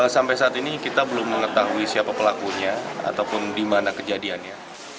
sampai saat ini kita belum mengetahui siapa pelakunya ataupun di mana kejadiannya